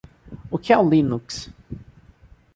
O que é o Linux?